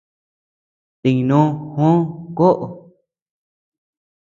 Tiknó Juó kuoʼo.